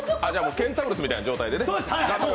ケンタウロスみたいな状態でね。